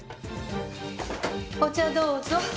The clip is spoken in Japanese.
お茶どうぞ。